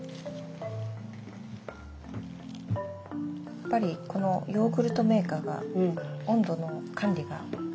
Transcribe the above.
やっぱりこのヨーグルトメーカーが温度の管理がいいんですかね。